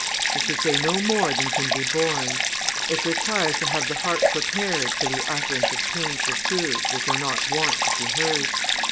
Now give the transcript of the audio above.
He should say no more than can be borne; it requires to have the heart prepared for the utterance of painful truths which are not wont to be heard.